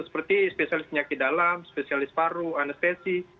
seperti spesialis penyakit dalam spesialis paru anestesi